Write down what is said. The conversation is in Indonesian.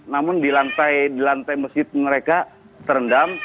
namun di lantai masjid mereka terendam